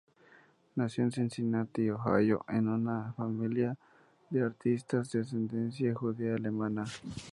Nació en Cincinnati, Ohio, en una familia de artistas de ascendencia judía alemana.